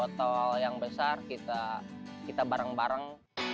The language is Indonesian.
dari satu botol yang besar kita bareng bareng